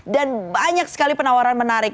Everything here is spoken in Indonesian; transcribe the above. dan banyak sekali penawaran menarik